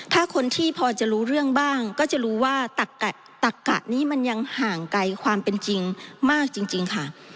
ถ้าคนที่พอจะรู้เรื่องบ้างก็จะรู้ว่าตักกะนี้มันยังห่างไกลความเป็นจริงมากจริงค่ะ